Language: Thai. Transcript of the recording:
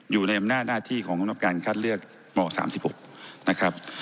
อยู่ในอำนาจหน้าที่ของกรรมการคัดเลือกม๓๖นะครับ